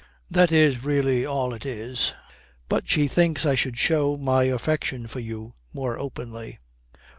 'That is really all it is. But she thinks I should show my affection for you more openly.'